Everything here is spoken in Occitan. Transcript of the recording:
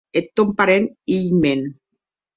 Eth tòn parent, hilh mèn.